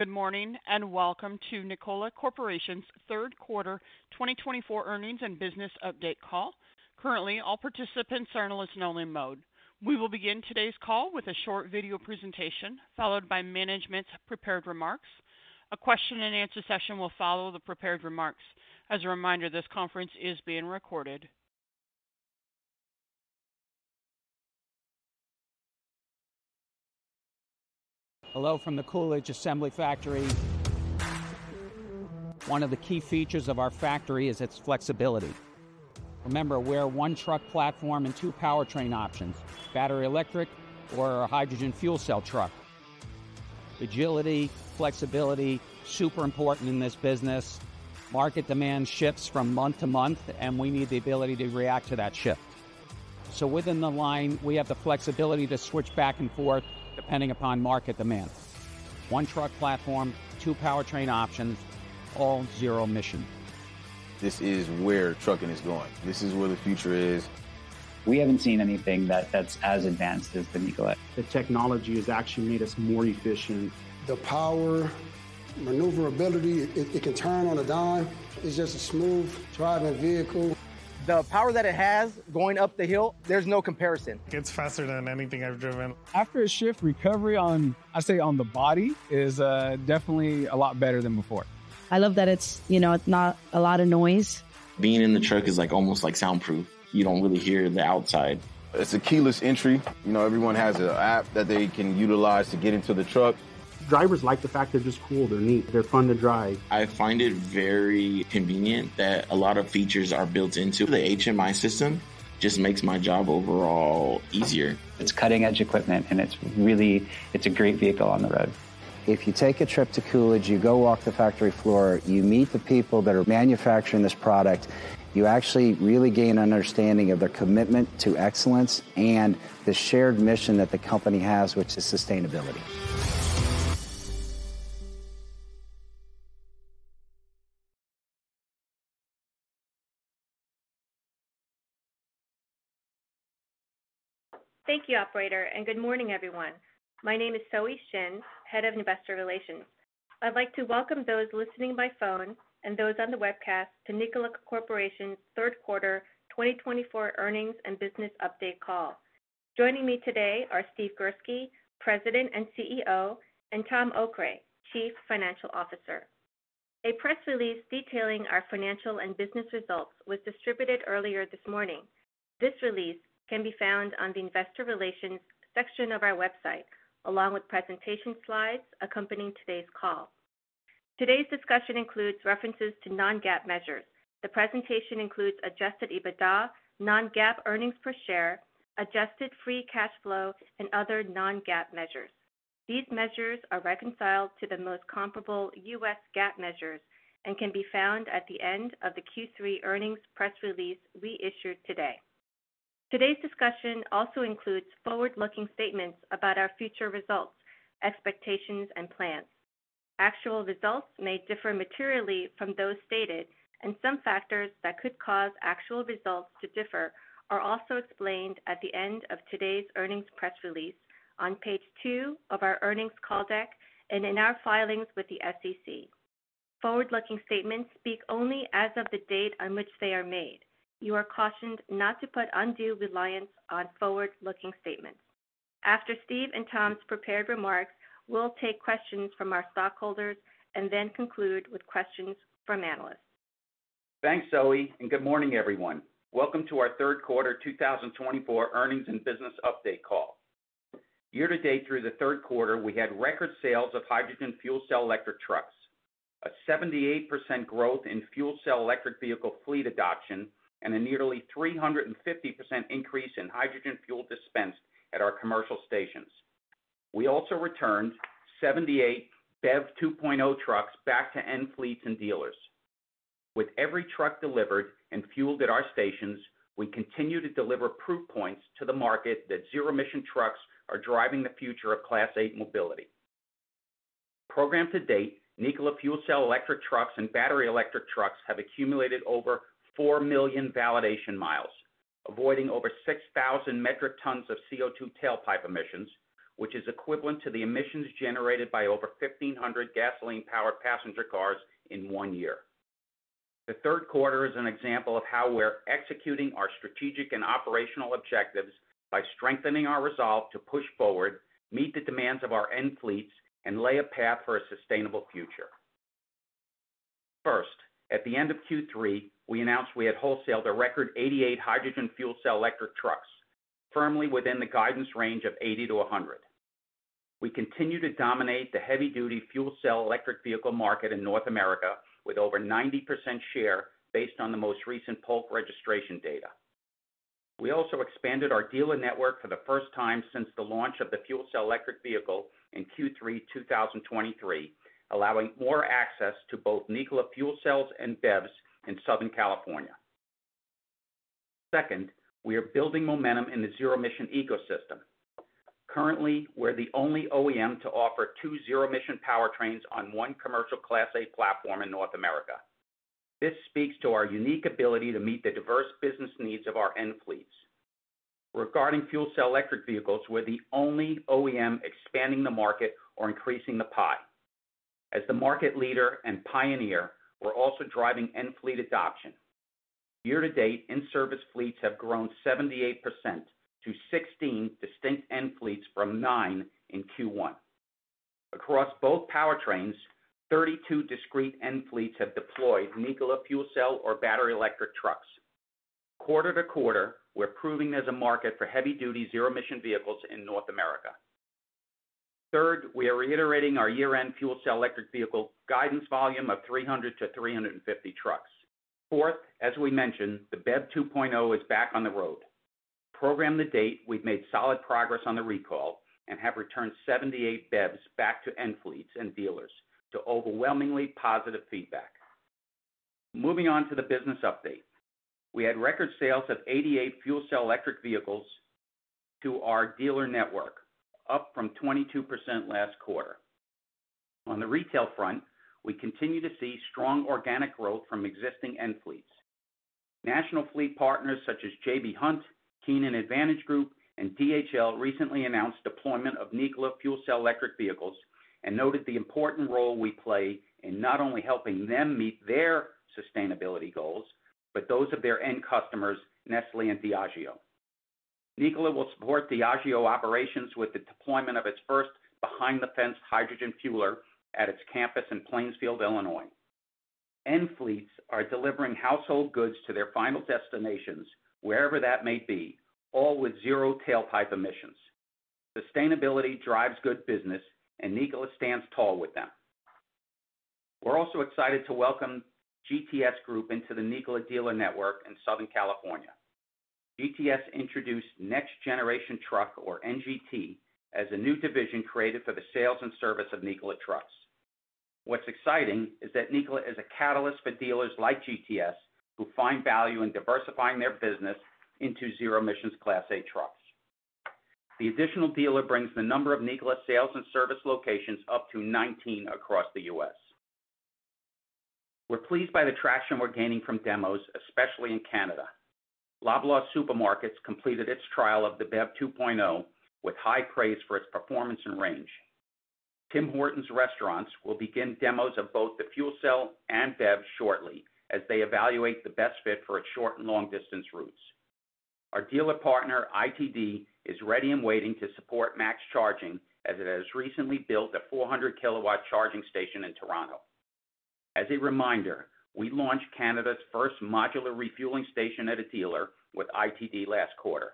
Good morning and welcome to Nikola Corporation's third quarter 2024 earnings and business update call. Currently, all participants are in a listen-only mode. We will begin today's call with a short video presentation followed by management's prepared remarks. A question-and-answer session will follow the prepared remarks. As a reminder, this conference is being recorded. Hello from the Coolidge Assembly Factory. One of the key features of our factory is its flexibility. Remember, we're a one-truck platform and two powertrain options: battery electric or a hydrogen fuel cell truck. Agility, flexibility, super important in this business. Market demand shifts from month to month, and we need the ability to react to that shift. So within the line, we have the flexibility to switch back and forth depending upon market demand. One-truck platform, two powertrain options, all zero emission. This is where trucking is going. This is where the future is. We haven't seen anything that's as advanced as the Nikola. The technology has actually made us more efficient. The power, maneuverability, it can turn on a dime. It's just a smooth-driving vehicle. The power that it has going up the hill, there's no comparison. It's faster than anything I've driven. After a shift, recovery on, I'd say on the body, is definitely a lot better than before. I love that it's, you know, not a lot of noise. Being in the truck is like almost like soundproof. You don't really hear the outside. It's a keyless entry. You know, everyone has an app that they can utilize to get into the truck. Drivers like the fact they're just cool. They're neat. They're fun to drive. I find it very convenient that a lot of features are built into the HMI system. It just makes my job overall easier. It's cutting-edge equipment, and it's really, it's a great vehicle on the road. If you take a trip to Coolidge, you go walk the factory floor, you meet the people that are manufacturing this product, you actually really gain an understanding of their commitment to excellence and the shared mission that the company has, which is sustainability. Thank you, operator, and good morning, everyone. My name is Soei Shin, Head of Investor Relations. I'd like to welcome those listening by phone and those on the webcast to Nikola Corporation's third quarter 2024 earnings and business update call. Joining me today are Steve Girsky, President and CEO, and Tom Okray, Chief Financial Officer. A press release detailing our financial and business results was distributed earlier this morning. This release can be found on the Investor Relations section of our website, along with presentation slides accompanying today's call. Today's discussion includes references to non-GAAP measures. The presentation includes adjusted EBITDA, non-GAAP earnings per share, adjusted free cash flow, and other non-GAAP measures. These measures are reconciled to the most comparable U.S. GAAP measures and can be found at the end of the Q3 earnings press release we issued today. Today's discussion also includes forward-looking statements about our future results, expectations, and plans. Actual results may differ materially from those stated, and some factors that could cause actual results to differ are also explained at the end of today's earnings press release on page two of our earnings call deck and in our filings with the SEC. Forward-looking statements speak only as of the date on which they are made. You are cautioned not to put undue reliance on forward-looking statements. After Steve and Tom's prepared remarks, we'll take questions from our stockholders and then conclude with questions from analysts. Thanks, Soei, and good morning, everyone. Welcome to our Third Quarter 2024 Earnings and Business Update Call. Year-to-date through the third quarter, we had record sales of hydrogen fuel cell electric trucks, a 78% growth in fuel cell electric vehicle fleet adoption, and a nearly 350% increase in hydrogen fuel dispensed at our commercial stations. We also returned 78 BEV 2.0 trucks back to end fleets and dealers. With every truck delivered and fueled at our stations, we continue to deliver proof points to the market that zero-emission trucks are driving the future of Class 8 mobility. Programmed to date, Nikola fuel cell electric trucks and battery electric trucks have accumulated over four million validation miles, avoiding over 6,000 metric tons of CO2 tailpipe emissions, which is equivalent to the emissions generated by over 1,500 gasoline-powered passenger cars in one year. The third quarter is an example of how we're executing our strategic and operational objectives by strengthening our resolve to push forward, meet the demands of our end fleets, and lay a path for a sustainable future. First, at the end of Q3, we announced we had wholesaled a record 88 hydrogen fuel cell electric trucks, firmly within the guidance range of 80-100. We continue to dominate the heavy-duty fuel cell electric vehicle market in North America with over 90% share based on the most recent Polk registration data. We also expanded our dealer network for the first time since the launch of the fuel cell electric vehicle in Q3 2023, allowing more access to both Nikola fuel cells and BEVs in Southern California. Second, we are building momentum in the zero-emission ecosystem. Currently, we're the only OEM to offer two zero-emission powertrains on one commercial Class 8 platform in North America. This speaks to our unique ability to meet the diverse business needs of our end fleets. Regarding fuel cell electric vehicles, we're the only OEM expanding the market or increasing the pie. As the market leader and pioneer, we're also driving end fleet adoption. Year-to-date, in-service fleets have grown 78% to 16 distinct end fleets from nine in Q1. Across both powertrains, 32 discrete end fleets have deployed Nikola fuel cell or battery electric trucks. Quarter to quarter, we're proving there's a market for heavy-duty zero-emission vehicles in North America. Third, we are reiterating our year-end fuel cell electric vehicle guidance volume of 300 to 350 trucks. Fourth, as we mentioned, the BEV 2.0 is back on the road. Year to date, we've made solid progress on the recall and have returned 78 BEVs back to end fleets and dealers with overwhelmingly positive feedback. Moving on to the business update, we had record sales of 88 fuel cell electric vehicles to our dealer network, up from 22% last quarter. On the retail front, we continue to see strong organic growth from existing end fleets. National fleet partners such as J.B. Hunt, Kenan Advantage Group, and DHL recently announced deployment of Nikola fuel cell electric vehicles and noted the important role we play in not only helping them meet their sustainability goals, but those of their end customers, Nestlé and Diageo. Nikola will support Diageo operations with the deployment of its first behind-the-fence hydrogen fueler at its campus in Plainfield, Illinois. End fleets are delivering household goods to their final destinations, wherever that may be, all with zero tailpipe emissions. Sustainability drives good business, and Nikola stands tall with them. We're also excited to welcome GTS Group into the Nikola dealer network in Southern California. GTS introduced Next Generation Truck, or NGT, as a new division created for the sales and service of Nikola trucks. What's exciting is that Nikola is a catalyst for dealers like GTS who find value in diversifying their business into zero-emission Class 8 trucks. The additional dealer brings the number of Nikola sales and service locations up to 19 across the U.S. We're pleased by the traction we're gaining from demos, especially in Canada. Loblaw Supermarkets completed its trial of the BEV 2.0 with high praise for its performance and range. Tim Hortons Restaurants will begin demos of both the fuel cell and BEV shortly as they evaluate the best fit for its short and long-distance routes. Our dealer partner, ITD, is ready and waiting to support max charging as it has recently built a 400-kilowatt charging station in Toronto. As a reminder, we launched Canada's first modular refueling station at a dealer with ITD last quarter.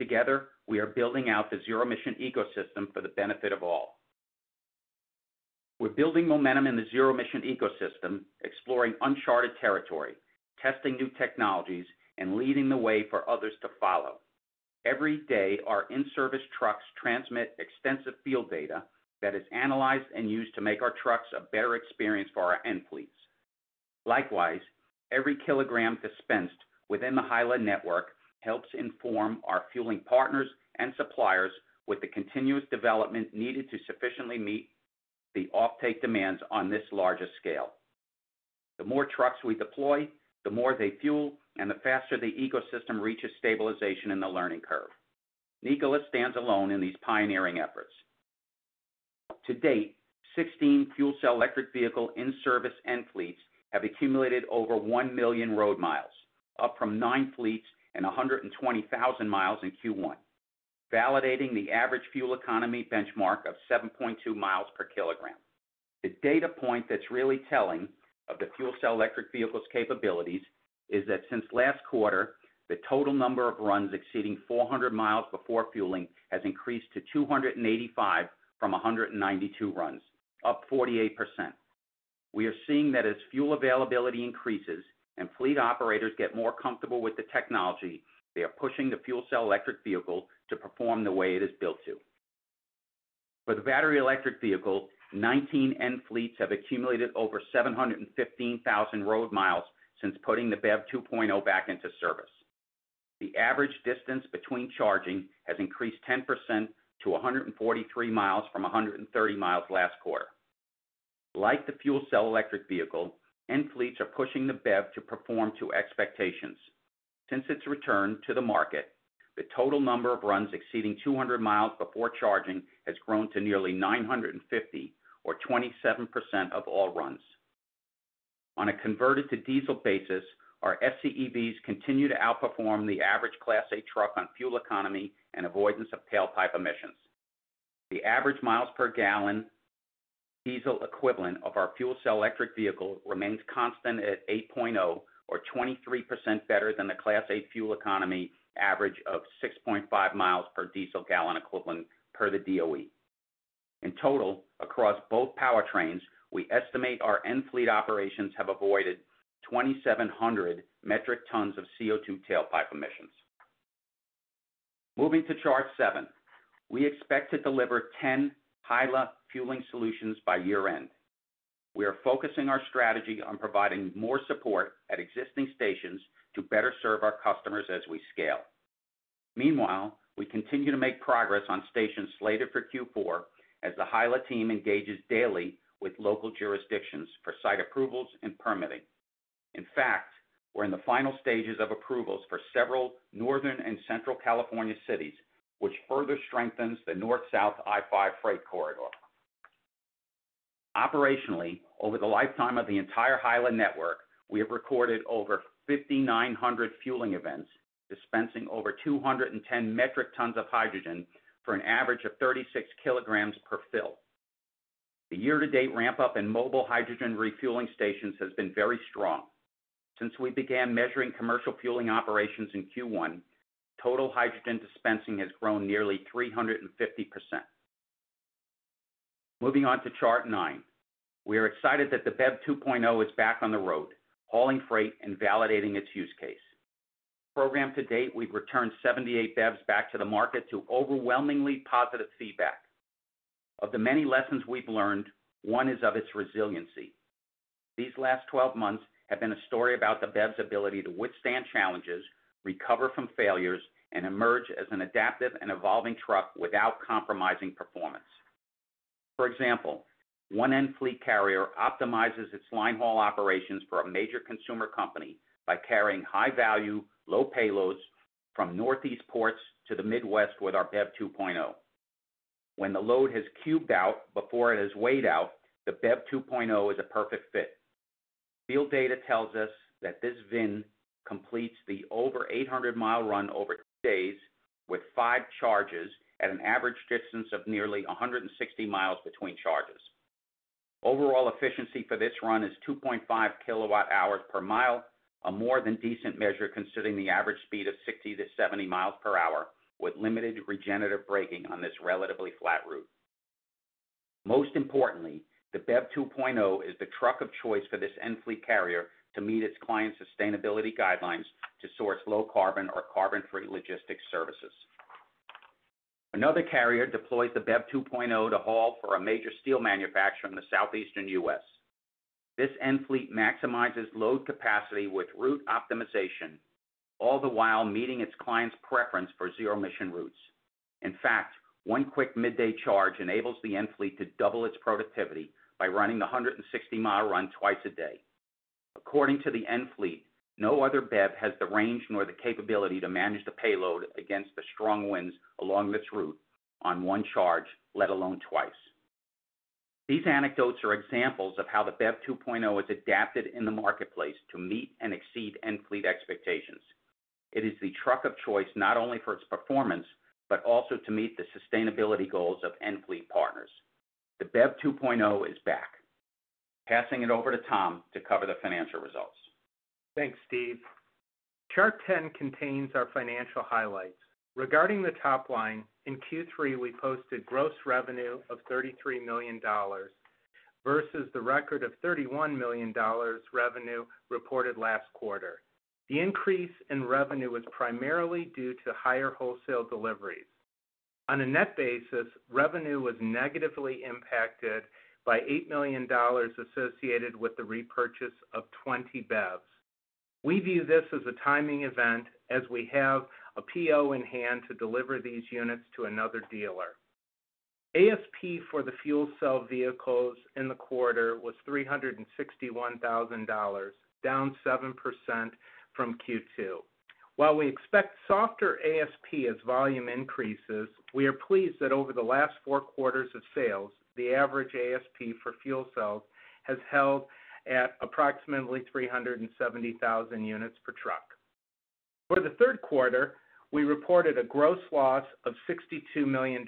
Together, we are building out the zero-emission ecosystem for the benefit of all. We're building momentum in the zero-emission ecosystem, exploring uncharted territory, testing new technologies, and leading the way for others to follow. Every day, our in-service trucks transmit extensive field data that is analyzed and used to make our trucks a better experience for our end fleets. Likewise, every kilogram dispensed within the HYLA network helps inform our fueling partners and suppliers with the continuous development needed to sufficiently meet the off-take demands on this largest scale. The more trucks we deploy, the more they fuel, and the faster the ecosystem reaches stabilization in the learning curve. Nikola stands alone in these pioneering efforts. To date, 16 fuel cell electric vehicle in-service end fleets have accumulated over 1 million road miles, up from nine fleets and 120,000 miles in Q1, validating the average fuel economy benchmark of 7.2 miles per kilogram. The data point that's really telling of the fuel cell electric vehicle's capabilities is that since last quarter, the total number of runs exceeding 400 miles before fueling has increased to 285 from 192 runs, up 48%. We are seeing that as fuel availability increases and fleet operators get more comfortable with the technology, they are pushing the fuel cell electric vehicle to perform the way it is built to. For the battery electric vehicle, nineteen end fleets have accumulated over 715,000 road miles since putting the BEV 2.0 back into service. The average distance between charging has increased 10% to 143 miles from 130 miles last quarter. Like the fuel cell electric vehicle, end fleets are pushing the BEV to perform to expectations. Since its return to the market, the total number of runs exceeding 200 miles before charging has grown to nearly 950, or 27% of all runs. On a converted-to-diesel basis, our FCEVs continue to outperform the average Class 8 truck on fuel economy and avoidance of tailpipe emissions. The average miles per gallon diesel equivalent of our fuel cell electric vehicle remains constant at 8.0, or 23% better than the Class 8 fuel economy average of 6.5 miles per diesel gallon equivalent per the DOE. In total, across both powertrains, we estimate our end fleet operations have avoided 2,700 metric tons of CO2 tailpipe emissions. Moving to chart seven, we expect to deliver 10 HYLA fueling solutions by year-end. We are focusing our strategy on providing more support at existing stations to better serve our customers as we scale. Meanwhile, we continue to make progress on stations slated for Q4 as the HYLA team engages daily with local jurisdictions for site approvals and permitting. In fact, we're in the final stages of approvals for several Northern and Central California cities, which further strengthens the North-South I-5 freight corridor. Operationally, over the lifetime of the entire HYLA network, we have recorded over 5,900 fueling events, dispensing over 210 metric tons of hydrogen for an average of 36 kilograms per fill. The year-to-date ramp-up in mobile hydrogen refueling stations has been very strong. Since we began measuring commercial fueling operations in Q1, total hydrogen dispensing has grown nearly 350%. Moving on to chart nine, we are excited that the BEV 2.0 is back on the road, hauling freight and validating its use case. Produced to date, we've returned 78 BEVs back to the market to overwhelmingly positive feedback. Of the many lessons we've learned, one is of its resiliency. These last 12 months have been a story about the BEV's ability to withstand challenges, recover from failures, and emerge as an adaptive and evolving truck without compromising performance. For example, one end fleet carrier optimizes its line haul operations for a major consumer company by carrying high-value, low payloads from Northeast ports to the Midwest with our BEV 2.0. When the load has cubed out before it has weighed out, the BEV 2.0 is a perfect fit. Field data tells us that this VIN completes the over 800-mile run over two days with five charges at an average distance of nearly 160 miles between charges. Overall efficiency for this run is 2.5 kilowatt-hours per mile, a more than decent measure considering the average speed of 60 to 70 miles per hour with limited regenerative braking on this relatively flat route. Most importantly, the BEV 2.0 is the truck of choice for this end fleet carrier to meet its client's sustainability guidelines to source low-carbon or carbon-free logistics services. Another carrier deploys the BEV 2.0 to haul for a major steel manufacturer in the southeastern U.S. This end fleet maximizes load capacity with route optimization, all the while meeting its client's preference for zero-emission routes. In fact, one quick midday charge enables the end fleet to double its productivity by running the 160-mile run twice a day. According to the end fleet, no other BEV has the range nor the capability to manage the payload against the strong winds along this route on one charge, let alone twice. These anecdotes are examples of how the BEV 2.0 is adapted in the marketplace to meet and exceed end fleet expectations. It is the truck of choice not only for its performance, but also to meet the sustainability goals of end fleet partners. The BEV 2.0 is back. Passing it over to Tom to cover the financial results. Thanks, Steve. Chart 10 contains our financial highlights. Regarding the top line, in Q3, we posted gross revenue of $33 million versus the record of $31 million revenue reported last quarter. The increase in revenue was primarily due to higher wholesale deliveries. On a net basis, revenue was negatively impacted by $8 million associated with the repurchase of 20 BEVs. We view this as a timing event as we have a PO in hand to deliver these units to another dealer. ASP for the fuel cell vehicles in the quarter was $361,000, down 7% from Q2. While we expect softer ASP as volume increases, we are pleased that over the last four quarters of sales, the average ASP for fuel cells has held at approximately 370,000 units per truck. For the third quarter, we reported a gross loss of $62 million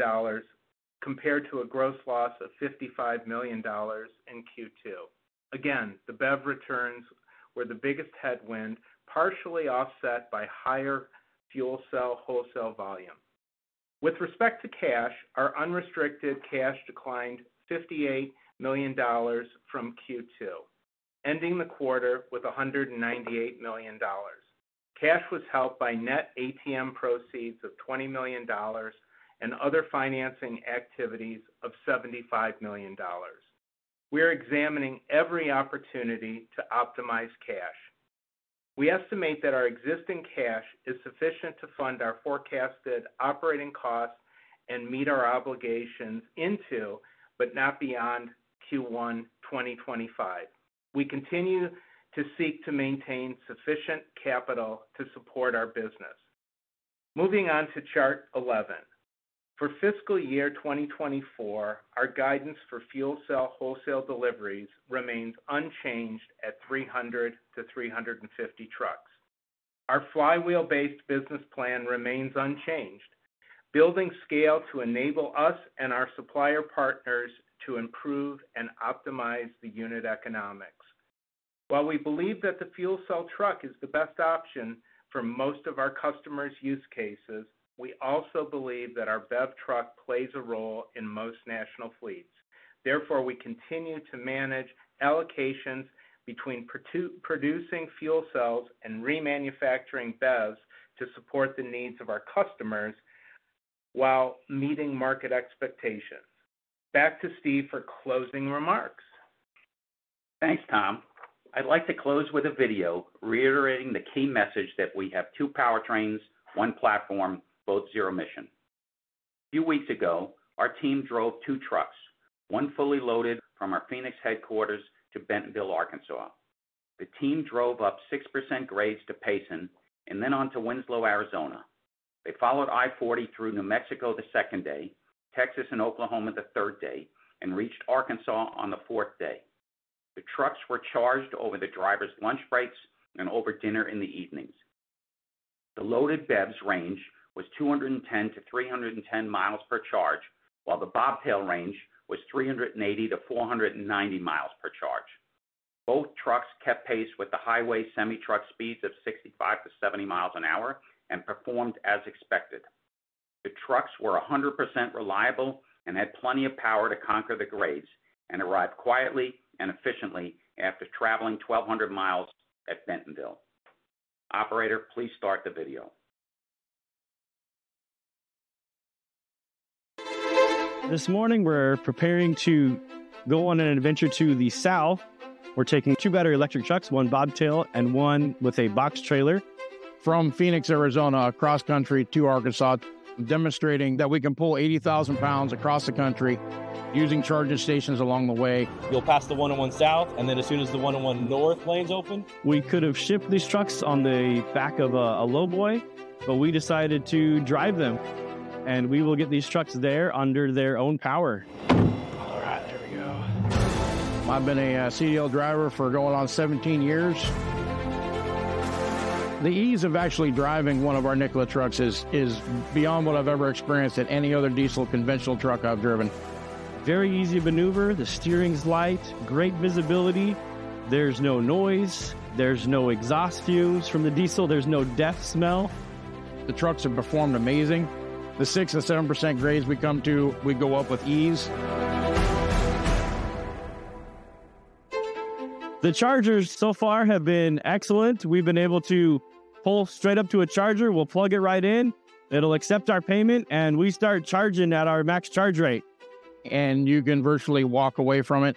compared to a gross loss of $55 million in Q2. Again, the BEV returns were the biggest headwind, partially offset by higher fuel cell wholesale volume. With respect to cash, our unrestricted cash declined $58 million from Q2, ending the quarter with $198 million. Cash was helped by net ATM proceeds of $20 million and other financing activities of $75 million. We are examining every opportunity to optimize cash. We estimate that our existing cash is sufficient to fund our forecasted operating costs and meet our obligations into, but not beyond, Q1 2025. We continue to seek to maintain sufficient capital to support our business. Moving on to Chart 11. For fiscal year 2024, our guidance for fuel cell wholesale deliveries remains unchanged at 300 to 350 trucks. Our flywheel-based business plan remains unchanged, building scale to enable us and our supplier partners to improve and optimize the unit economics. While we believe that the fuel cell truck is the best option for most of our customers' use cases, we also believe that our BEV truck plays a role in most national fleets. Therefore, we continue to manage allocations between producing fuel cells and remanufacturing BEVs to support the needs of our customers while meeting market expectations. Back to Steve for closing remarks. Thanks, Tom. I'd like to close with a video reiterating the key message that we have two powertrains, one platform, both zero-emission. A few weeks ago, our team drove two trucks, one fully loaded, from our Phoenix headquarters to Bentonville, Arkansas. The team drove up 6% grades to Payson and then on to Winslow, Arizona. They followed I-40 through New Mexico the second day, Texas and Oklahoma the third day, and reached Arkansas on the fourth day. The trucks were charged over the driver's lunch breaks and over dinner in the evenings. The loaded BEV's range was 210-310 miles per charge, while the bobtail range was 380-490 miles per charge. Both trucks kept pace with the highway semi-truck speeds of 65-70 miles an hour and performed as expected. The trucks were 100% reliable and had plenty of power to conquer the grades and arrived quietly and efficiently after traveling 1,200 miles to Bentonville.Operator, please start the video. \This morning, we're preparing to go on an adventure to the south. We're taking two battery electric trucks, one bobtail and one with a box trailer, from Phoenix, Arizona, across country to Arkansas, demonstrating that we can pull 80,000 pounds across the country using charging stations along the way. You'll pass the 101 south, and then as soon as the 101 north lanes open, we could have shipped these trucks on the back of a lowboy, but we decided to drive them, and we will get these trucks there under their own power. All right, there we go. I've been a CDL driver for going on 17 years. The ease of actually driving one of our Nikola trucks is beyond what I've ever experienced at any other diesel conventional truck I've driven. Very easy maneuver. The steering's light, great visibility. There's no noise. There's no exhaust fumes from the diesel. There's no diesel smell. The trucks have performed amazing. The 6% and 7% grades we come to, we go up with ease. The chargers so far have been excellent. We've been able to pull straight up to a charger. We'll plug it right in. It'll accept our payment, and we start charging at our max charge rate. And you can virtually walk away from it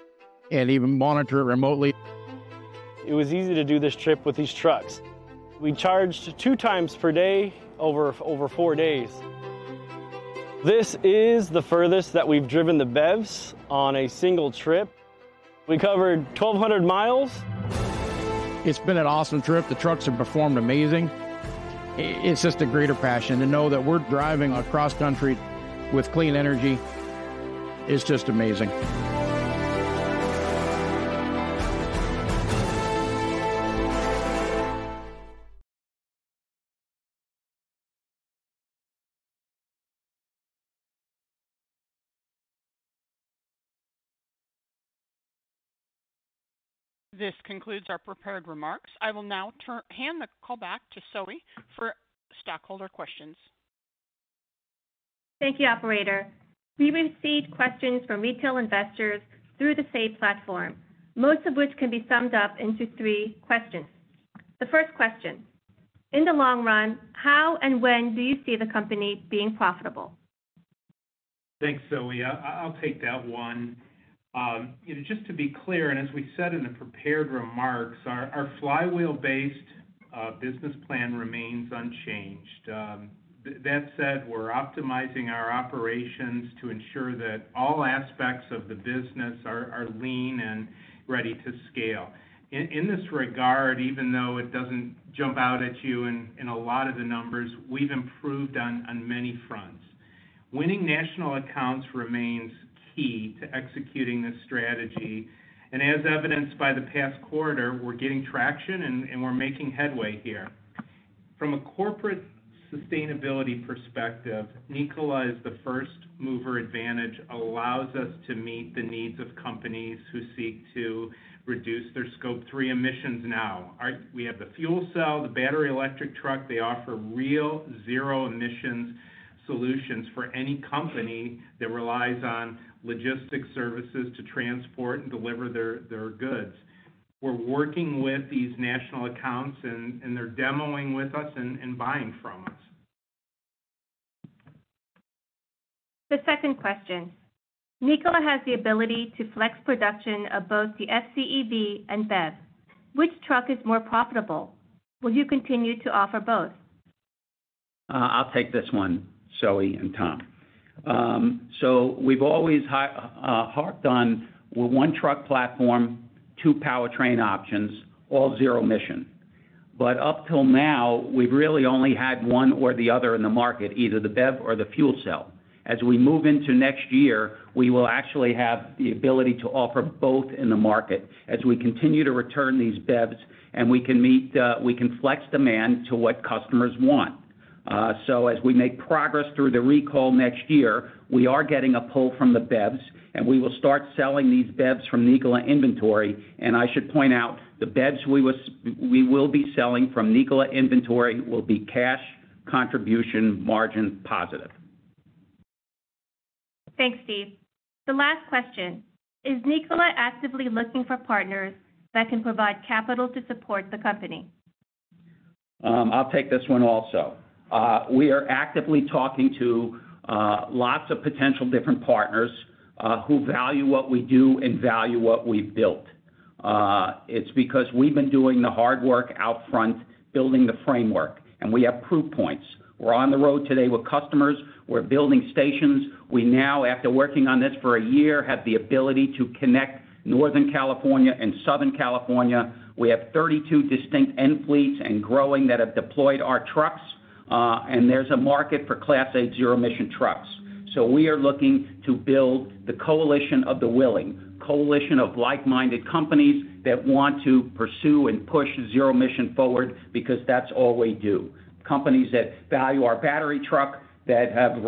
and even monitor it remotely. It was easy to do this trip with these trucks. We charged two times per day over four days. This is the furthest that we've driven the BEVs on a single trip. We covered 1,200 miles. It's been an awesome trip. The trucks have performed amazing. It's just a greater passion to know that we're driving across country with clean energy. It's just amazing. This concludes our prepared remarks. I will now hand the call back to Soei for stockholder questions. Thank you, Operator. We received questions from retail investors through the Say platform, most of which can be summed up into three questions. The first question, in the long run, how and when do you see the company being profitable? Thanks, Soei. I'll take that one. Just to be clear, and as we said in the prepared remarks, our flywheel-based business plan remains unchanged. That said, we're optimizing our operations to ensure that all aspects of the business are lean and ready to scale. In this regard, even though it doesn't jump out at you in a lot of the numbers, we've improved on many fronts. Winning national accounts remains key to executing this strategy. And as evidenced by the past quarter, we're getting traction and we're making headway here. From a corporate sustainability perspective, Nikola is the first mover advantage that allows us to meet the needs of companies who seek to reduce their Scope 3 emissions now. We have the fuel cell, the battery electric truck. They offer real zero-emission solutions for any company that relies on logistics services to transport and deliver their goods. We're working with these national accounts, and they're demoing with us and buying from us. The second question, Nikola has the ability to flex production of both the FCEV and BEV. Which truck is more profitable? Will you continue to offer both? I'll take this one, Soei and Tom. So we've always harped on one truck platform, two powertrain options, all zero-emission. But up till now, we've really only had one or the other in the market, either the BEV or the fuel cell. As we move into next year, we will actually have the ability to offer both in the market as we continue to return these BEVs, and we can flex demand to what customers want. So as we make progress through the recall next year, we are getting a pull from the BEVs, and we will start selling these BEVs from Nikola inventory. And I should point out the BEVs we will be selling from Nikola inventory will be cash contribution margin positive. Thanks, Steve. The last question, is Nikola actively looking for partners that can provide capital to support the company? I'll take this one also. We are actively talking to lots of potential different partners who value what we do and value what we've built. It's because we've been doing the hard work out front, building the framework, and we have proof points. We're on the road today with customers. We're building stations. We now, after working on this for a year, have the ability to connect Northern California and Southern California. We have 32 distinct end fleets and growing that have deployed our trucks, and there's a market for Class 8 zero-emission trucks. So we are looking to build the coalition of the willing, coalition of like-minded companies that want to pursue and push zero-emission forward because that's all we do. Companies that value our battery truck that have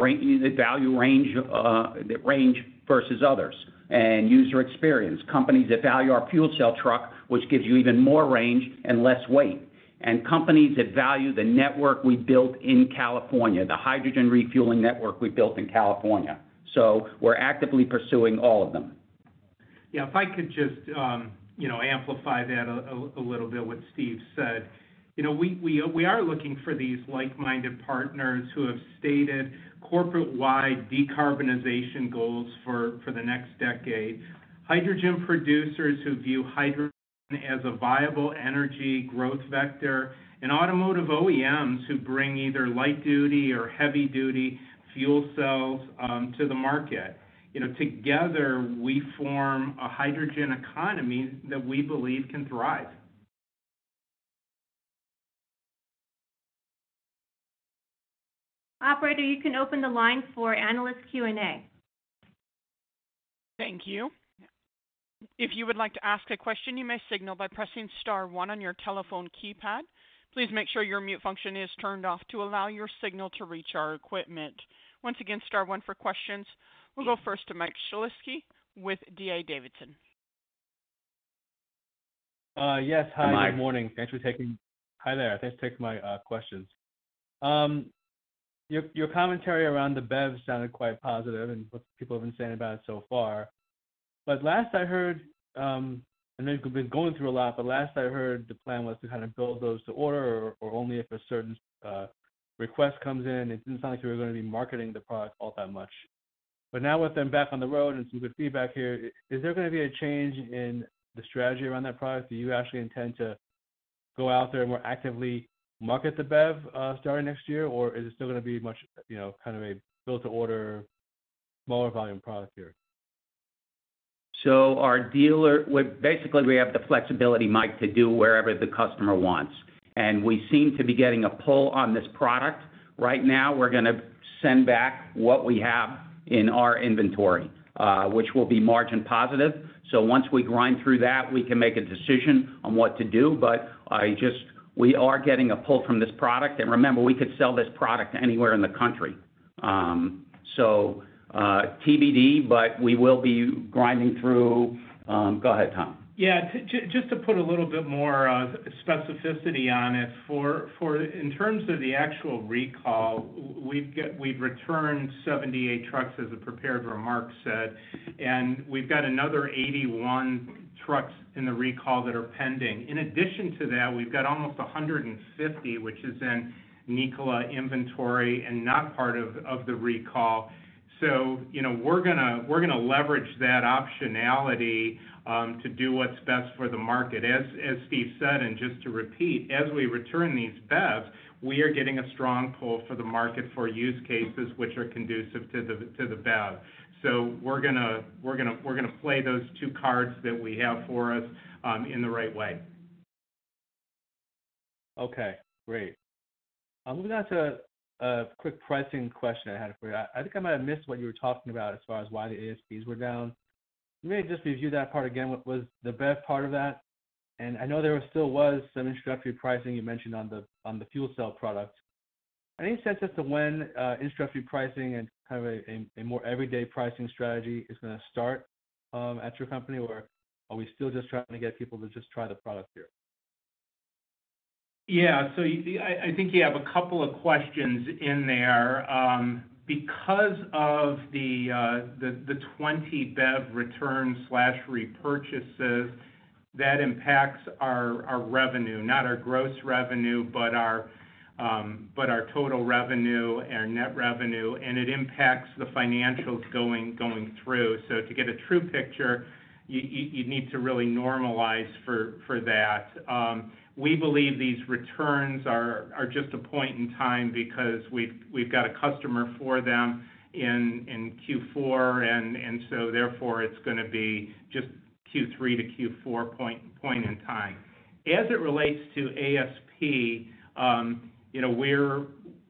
value range versus others and user experience. Companies that value our fuel cell truck, which gives you even more range and less weight. And companies that value the network we built in California, the hydrogen refueling network we built in California. So we're actively pursuing all of them. Yeah, if I could just amplify that a little bit with Steve's side. We are looking for these like-minded partners who have stated corporate-wide decarbonization goals for the next decade, hydrogen producers who view hydrogen as a viable energy growth vector, and automotive OEMs who bring either light-duty or heavy-duty fuel cells to the market. Together, we form a hydrogen economy that we believe can thrive. Operator, you can open the line for analyst Q&A. Thank you. If you would like to ask a question, you may signal by pressing star one on your telephone keypad. Please make sure your mute function is turned off to allow your signal to reach our equipment. Once again, star one for questions. We'll go first to Mike Shlisky with D.A. Davidson. Yes, hi. Good morning. Thanks for taking my questions. Your commentary around the BEVs sounded quite positive and what people have been saying about it so far. But last I heard, and we've been going through a lot, but last I heard the plan was to kind of build those to order or only if a certain request comes in. It didn't sound like you were going to be marketing the product all that much. But now with them back on the road and some good feedback here, is there going to be a change in the strategy around that product? Do you actually intend to go out there and more actively market the BEV starting next year, or is it still going to be much kind of a build-to-order, smaller volume product here? So basically, we have the flexibility, Mike, to do wherever the customer wants. And we seem to be getting a pull on this product. Right now, we're going to send back what we have in our inventory, which will be margin positive. So once we grind through that, we can make a decision on what to do. But we are getting a pull from this product. And remember, we could sell this product anywhere in the country. So TBD, but we will be grinding through. Go ahead, Tom. Yeah, just to put a little bit more specificity on it, in terms of the actual recall, we've returned 78 trucks, as the prepared remarks said, and we've got another 81 trucks in the recall that are pending. In addition to that, we've got almost 150, which is in Nikola inventory and not part of the recall. So we're going to leverage that optionality to do what's best for the market. As Steve said, and just to repeat, as we return these BEVs, we are getting a strong pull for the market for use cases which are conducive to the BEV. So we're going to play those two cards that we have for us in the right way. Okay, great. I'm going to ask a quick pricing question I had for you. I think I might have missed what you were talking about as far as why the ASPs were down. Maybe just review that part again. What was the BEV part of that? And I know there still was some introductory pricing you mentioned on the fuel cell product. Any sense as to when introductory pricing and kind of a more everyday pricing strategy is going to start at your company, or are we still just trying to get people to just try the product here? Yeah, so I think you have a couple of questions in there. Because of the 20 BEV return/repurchases, that impacts our revenue, not our gross revenue, but our total revenue, our net revenue, and it impacts the financials going through. So to get a true picture, you need to really normalize for that. We believe these returns are just a point in time because we've got a customer for them in Q4, and so therefore, it's going to be just Q3 to Q4 point in time. As it relates to ASP,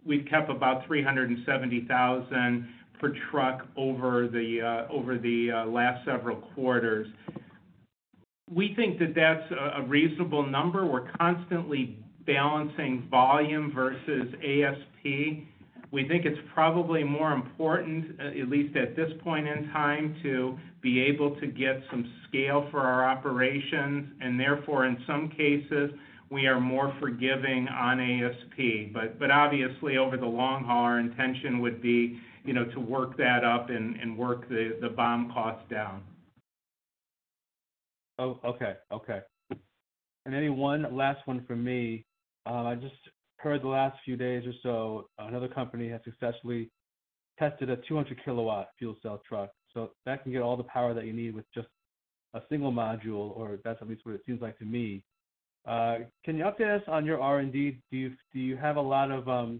we've kept about $370,000 per truck over the last several quarters. We think that that's a reasonable number. We're constantly balancing volume versus ASP. We think it's probably more important, at least at this point in time, to be able to get some scale for our operations. And therefore, in some cases, we are more forgiving on ASP. But obviously, over the long haul, our intention would be to work that up and work the BOM cost down. Oh, okay. Okay. And then one last one for me. I just heard the last few days or so, another company has successfully tested a 200-kilowatt fuel cell truck. So that can get all the power that you need with just a single module, or that's at least what it seems like to me. Can you update us on your R&D? Do you have a lot of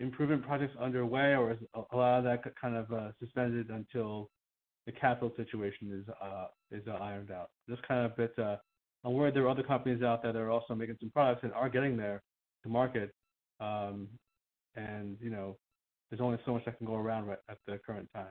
improvement projects underway, or is a lot of that kind of suspended until the capital situation is ironed out? Just kind of a bit. I'm worried there are other companies out there that are also making some products and are getting there to market, and there's only so much that can go around at the current time.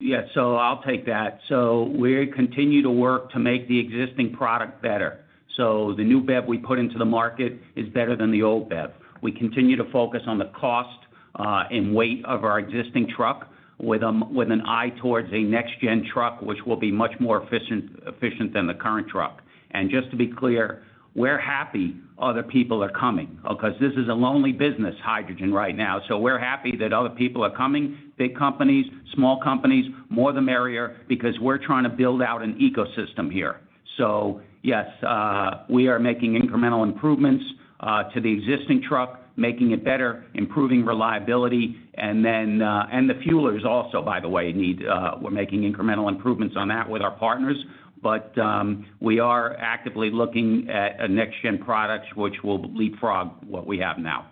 Yeah, so I'll take that. So we continue to work to make the existing product better. So the new BEV we put into the market is better than the old BEV. We continue to focus on the cost and weight of our existing truck with an eye towards a next-gen truck, which will be much more efficient than the current truck. And just to be clear, we're happy other people are coming because this is a lonely business, hydrogen right now. So we're happy that other people are coming, big companies, small companies, more the merrier because we're trying to build out an ecosystem here. So yes, we are making incremental improvements to the existing truck, making it better, improving reliability. And then the fuelers also, by the way, we're making incremental improvements on that with our partners. But we are actively looking at a next-gen product which will leapfrog what we have now.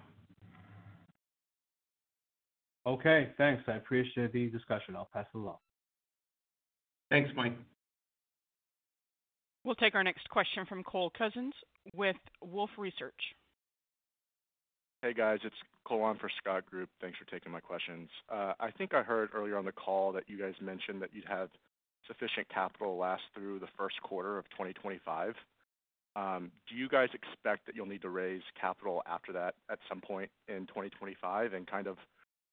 Okay, thanks. I appreciate the discussion. I'll pass it along. Thanks, Mike. We'll take our next question from Cole Cousins with Wolfe Research. Hey, guys. It's Cole on for Scott Group. Thanks for taking my questions. I think I heard earlier on the call that you guys mentioned that you'd have sufficient capital last through the first quarter of 2025. Do you guys expect that you'll need to raise capital after that at some point in 2025? And kind of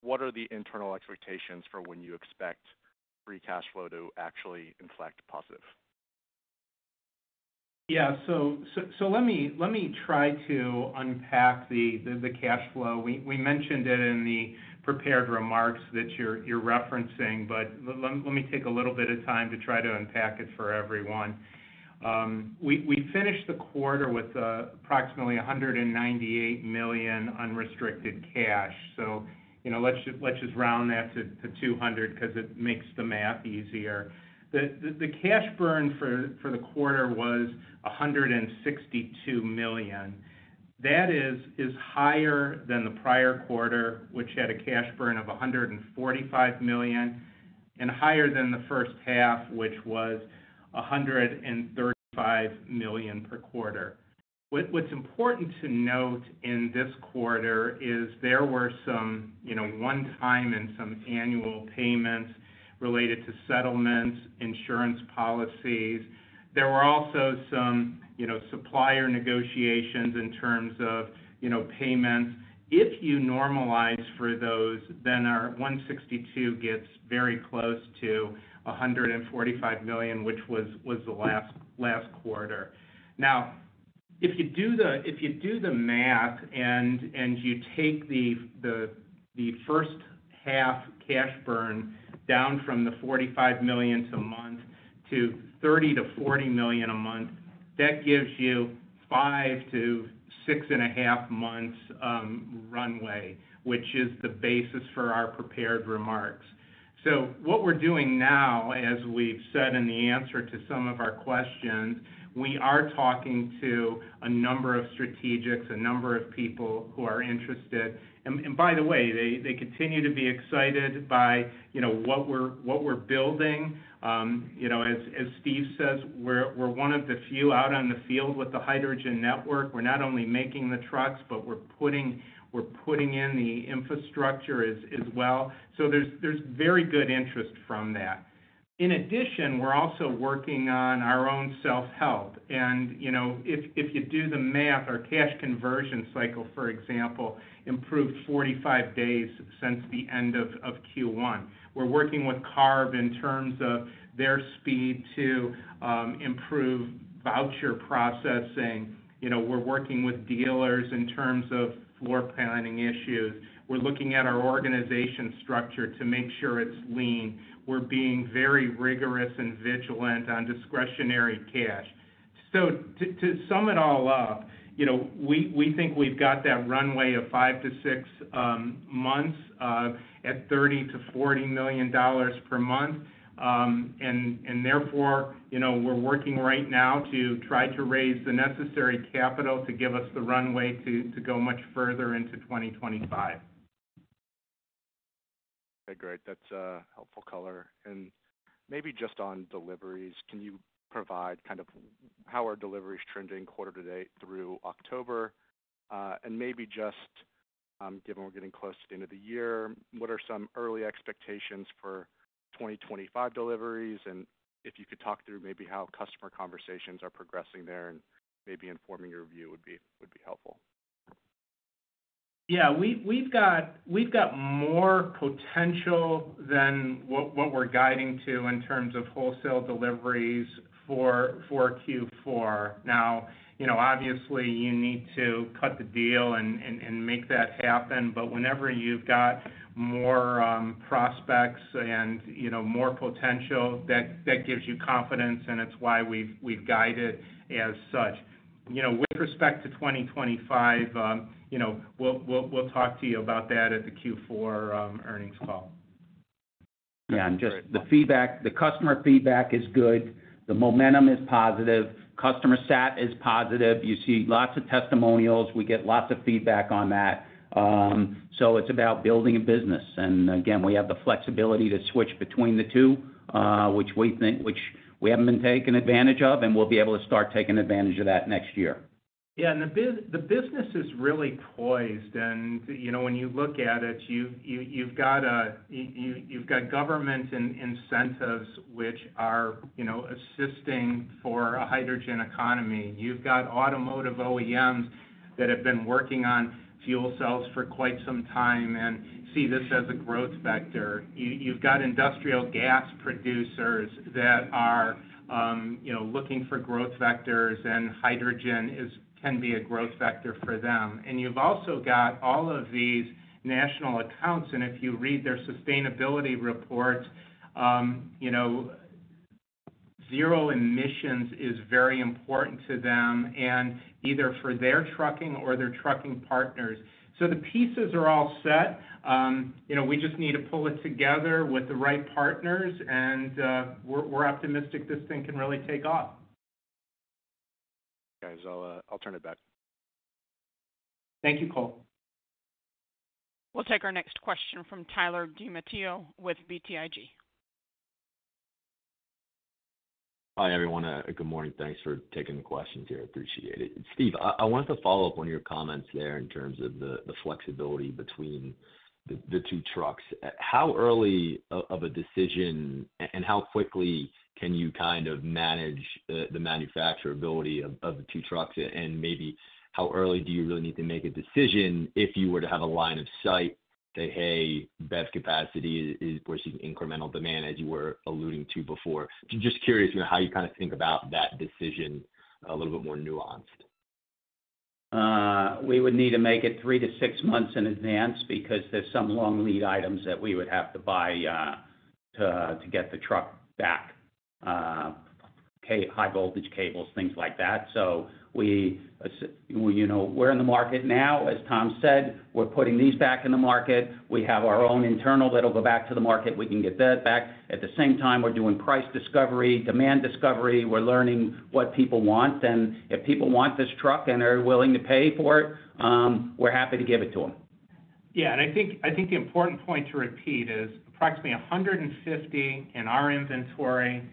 what are the internal expectations for when you expect free cash flow to actually inflect positive? Yeah, so let me try to unpack the cash flow. We mentioned it in the prepared remarks that you're referencing, but let me take a little bit of time to try to unpack it for everyone. We finished the quarter with approximately $198 million unrestricted cash. So let's just round that to $200 million because it makes the math easier. The cash burn for the quarter was $162 million. That is higher than the prior quarter, which had a cash burn of $145 million and higher than the first half, which was $135 million per quarter. What's important to note in this quarter is there were some one-time and some annual payments related to settlements, insurance policies. There were also some supplier negotiations in terms of payments. If you normalize for those, then our $162 million gets very close to $145 million, which was the last quarter. Now, if you do the math and you take the first half cash burn down from the $45 million a month to $30 million-$40 million a month, that gives you five to six and a half months runway, which is the basis for our prepared remarks. So what we're doing now, as we've said in the answer to some of our questions, we are talking to a number of strategics, a number of people who are interested. And by the way, they continue to be excited by what we're building. As Steve says, we're one of the few out on the field with the hydrogen network. We're not only making the trucks, but we're putting in the infrastructure as well. So there's very good interest from that. In addition, we're also working on our own self-help. If you do the math, our cash conversion cycle, for example, improved 45 days since the end of Q1. We're working with CARB in terms of their speed to improve voucher processing. We're working with dealers in terms of floor planning issues. We're looking at our organization structure to make sure it's lean. We're being very rigorous and vigilant on discretionary cash. So to sum it all up, we think we've got that runway of five to six months at $30million-$40 million per month. And therefore, we're working right now to try to raise the necessary capital to give us the runway to go much further into 2025. Okay, great. That's a helpful color. And maybe just on deliveries, can you provide kind of how are deliveries trending quarter to date through October? And maybe just given we're getting close to the end of the year, what are some early expectations for 2025 deliveries? And if you could talk through maybe how customer conversations are progressing there and maybe informing your view would be helpful. Yeah, we've got more potential than what we're guiding to in terms of wholesale deliveries for Q4. Now, obviously, you need to cut the deal and make that happen. But whenever you've got more prospects and more potential, that gives you confidence, and it's why we've guided as such. With respect to 2025, we'll talk to you about that at the Q4 earnings call. Yeah, and just the feedback, the customer feedback is good. The momentum is positive. Customer sat is positive. You see lots of testimonials. We get lots of feedback on that. So it's about building a business. Again, we have the flexibility to switch between the two, which we haven't been taking advantage of, and we'll be able to start taking advantage of that next year. Yeah. The business is really poised. When you look at it, you've got government incentives which are assisting for a hydrogen economy. You've got automotive OEMs that have been working on fuel cells for quite some time and see this as a growth factor. You've got industrial gas producers that are looking for growth factors, and hydrogen can be a growth factor for them. You've also got all of these national accounts. If you read their sustainability reports, zero emissions is very important to them, and either for their trucking or their trucking partners. The pieces are all set. We just need to pull it together with the right partners, and we're optimistic this thing can really take off. Okay, so I'll turn it back. Thank you, Cole. We'll take our next question from Tyler DiMatteo with BTIG. Hi, everyone. Good morning. Thanks for taking the questions here. I appreciate it. Steve, I wanted to follow up on your comments there in terms of the flexibility between the two trucks. How early of a decision and how quickly can you kind of manage the manufacturability of the two trucks? And maybe how early do you really need to make a decision if you were to have a line of sight that, "Hey, BEV capacity is pushing incremental demand," as you were alluding to before? Just curious how you kind of think about that decision a little bit more nuanced. We would need to make it three to six months in advance because there's some long lead items that we would have to buy to get the truck back, high voltage cables, things like that. So we're in the market now. As Tom said, we're putting these back in the market. We have our own internal that'll go back to the market. We can get that back. At the same time, we're doing price discovery, demand discovery. We're learning what people want. And if people want this truck and are willing to pay for it, we're happy to give it to them. Yeah, and I think the important point to repeat is approximately 150 in our inventory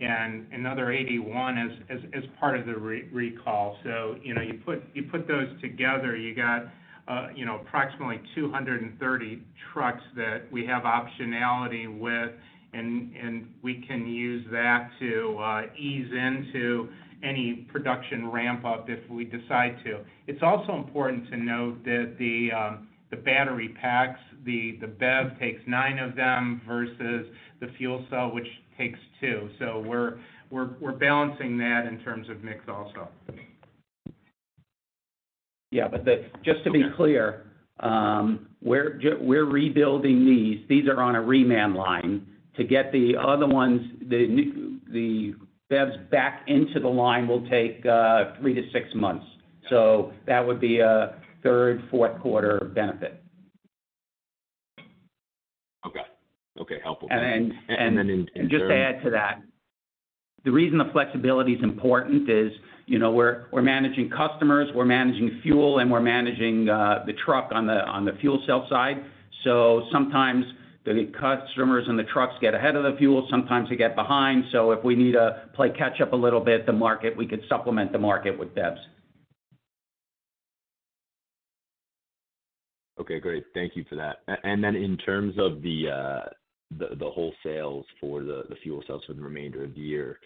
and another 81 as part of the recall. So you put those together, you got approximately 230 trucks that we have optionality with, and we can use that to ease into any production ramp-up if we decide to. It's also important to note that the battery packs, the BEV takes nine of them versus the fuel cell, which takes two. So we're balancing that in terms of mix also. Yeah, but just to be clear, we're rebuilding these. These are on a reman line to get the other ones. The BEVs back into the line will take three to six months. So that would be a third, fourth quarter benefit. Okay. Okay, helpful. And then in general. And just to add to that, the reason the flexibility is important is we're managing customers, we're managing fuel, and we're managing the truck on the fuel cell side. So sometimes the customers and the trucks get ahead of the fuel. Sometimes they get behind. So if we need to play catch-up a little bit with the market, we could supplement the market with BEVs. Okay, great. Thank you for that. And then in terms of the wholesales for the fuel cells for the remainder of the year,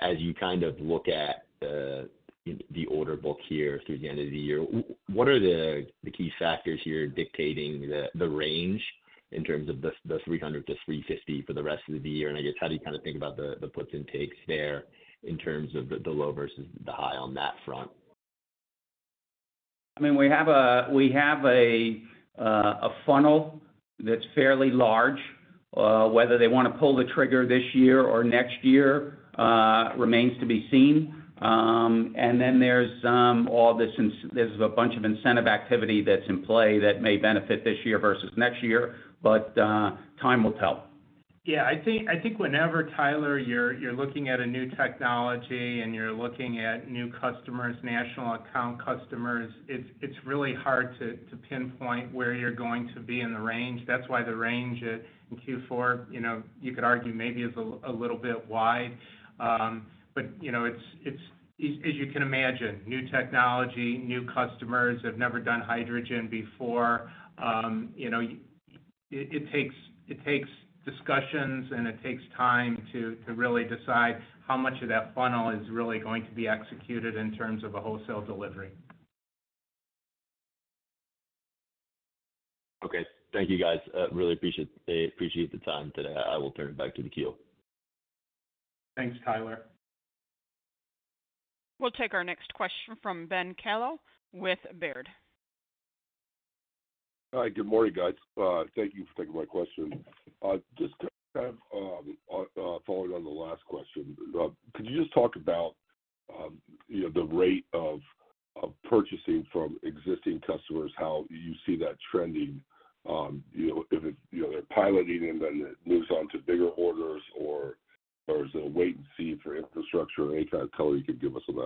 as you kind of look at the order book here through the end of the year, what are the key factors here dictating the range in terms of the 300-350 for the rest of the year? And I guess, how do you kind of think about the puts and takes there in terms of the low versus the high on that front? I mean, we have a funnel that's fairly large. Whether they want to pull the trigger this year or next year remains to be seen. And then there's all this, there's a bunch of incentive activity that's in play that may benefit this year versus next year, but time will tell. Yeah, I think whenever, Tyler, you're looking at a new technology and you're looking at new customers, national account customers, it's really hard to pinpoint where you're going to be in the range. That's why the range in Q4, you could argue maybe is a little bit wide. But as you can imagine, new technology, new customers have never done hydrogen before. It takes discussions, and it takes time to really decide how much of that funnel is really going to be executed in terms of a wholesale delivery. Okay, thank you, guys. Really appreciate the time today. I will turn it back to the queue. Thanks, Tyler. We'll take our next question from Ben Kallo with Baird. Hi, good morning, guys. Thank you for taking my question. Just kind of following on the last question, could you just talk about the rate of purchasing from existing customers, how you see that trending? If they're piloting and then it moves on to bigger orders, or is it a wait-and-see for infrastructure? Any kind of color you can give us on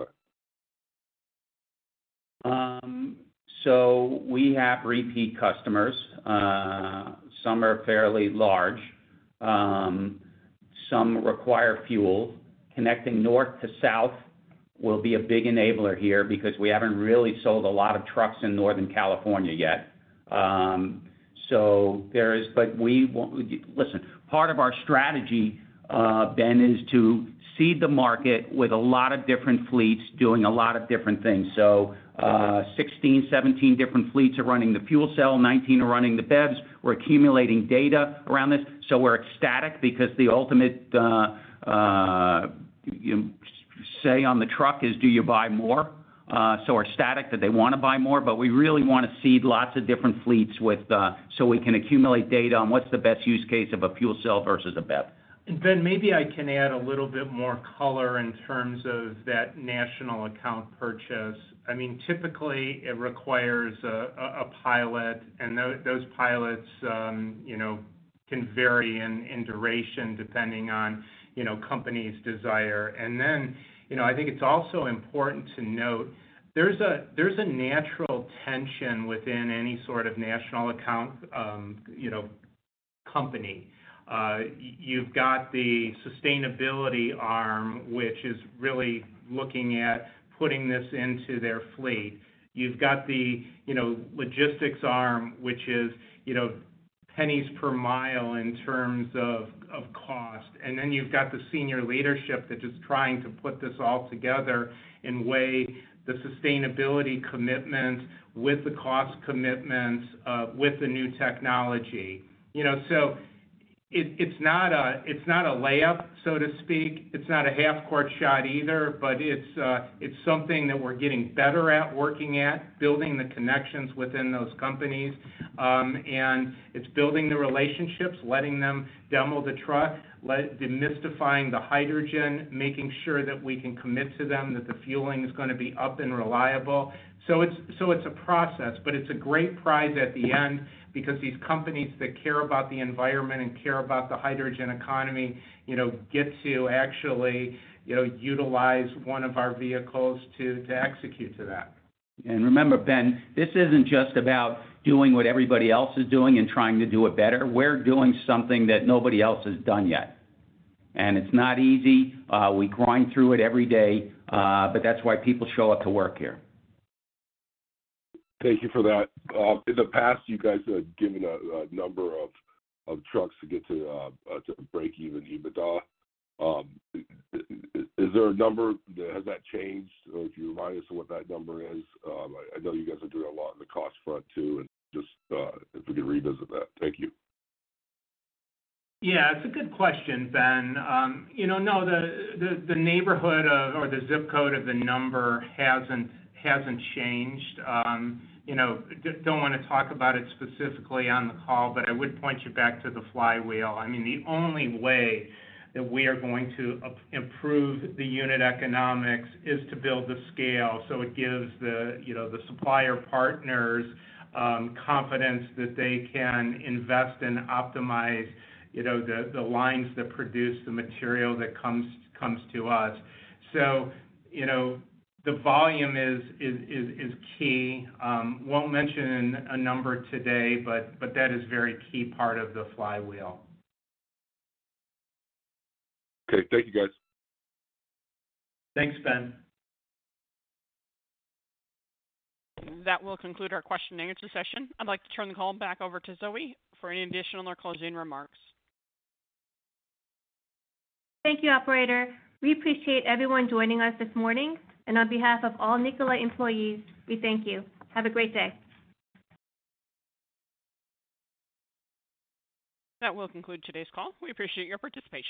that? So we have repeat customers. Some are fairly large. Some require fuel. Connecting north to south will be a big enabler here because we haven't really sold a lot of trucks in Northern California yet. But listen, part of our strategy, Ben, is to seed the market with a lot of different fleets doing a lot of different things. So 16, 17 different fleets are running the fuel cell, 19 are running the BEVs. We're accumulating data around this. We're ecstatic because the ultimate say on the truck is, "Do you buy more?" We're ecstatic that they want to buy more, but we really want to seed lots of different fleets so we can accumulate data on what's the best use case of a fuel cell versus a BEV. Ben, maybe I can add a little bit more color in terms of that national account purchase. I mean, typically, it requires a pilot, and those pilots can vary in duration depending on companies' desire. I think it's also important to note there's a natural tension within any sort of national account company. You've got the sustainability arm, which is really looking at putting this into their fleet. You've got the logistics arm, which is pennies per mile in terms of cost. And then you've got the senior leadership that is trying to put this all together in way the sustainability commitment with the cost commitment with the new technology. So it's not a layup, so to speak. It's not a half-court shot either, but it's something that we're getting better at working at, building the connections within those companies. And it's building the relationships, letting them demo the truck, demystifying the hydrogen, making sure that we can commit to them that the fueling is going to be up and reliable. So it's a process, but it's a great prize at the end because these companies that care about the environment and care about the hydrogen economy get to actually utilize one of our vehicles to execute to that. And remember, Ben, this isn't just about doing what everybody else is doing and trying to do it better. We're doing something that nobody else has done yet, and it's not easy. We grind through it every day, but that's why people show up to work here. Thank you for that. In the past, you guys had given a number of trucks to get to break even here, but is there a number? Has that changed? Or if you remind us of what that number is, I know you guys are doing a lot on the cost front too, and just if we could revisit that. Thank you. Yeah, it's a good question, Ben. No, the neighborhood or the zip code of the number hasn't changed. Don't want to talk about it specifically on the call, but I would point you back to the flywheel. I mean, the only way that we are going to improve the unit economics is to build the scale. So it gives the supplier partners confidence that they can invest and optimize the lines that produce the material that comes to us. So the volume is key. Won't mention a number today, but that is a very key part of the flywheel. Okay, thank you, guys. Thanks, Ben. That will conclude our question-and-answer session. I'd like to turn the call back over to Soei for any additional or closing remarks. Thank you, Operator. We appreciate everyone joining us this morning, and on behalf of all Nikola employees, we thank you. Have a great day. That will conclude today's call. We appreciate your participation.